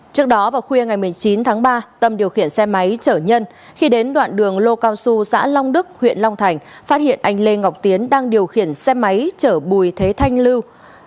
trước đó vào khuya ngày một mươi chín tháng ba tâm điều khiển xe máy chở nhân khi đến đoạn đường lô cao su xã long đức huyện long thành phát hiện anh lê ngọc tiến đang điều khiển xe máy chở bùi thế thanh lưu